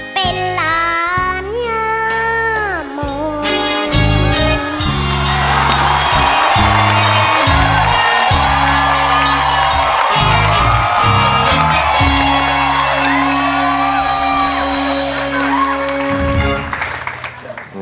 เป็นหลานยามอง